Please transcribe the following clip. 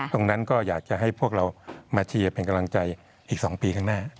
ตรงนั้นก็อยากจะให้พวกเรามาเชียร์เป็นกำลังใจอีก๒ปีข้างหน้า